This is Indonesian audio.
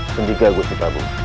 sendika gus jutabu